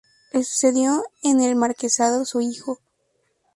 Le sucedió en el marquesado su hijo.